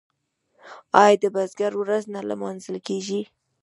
آیا د بزګر ورځ نه لمانځل کیږي؟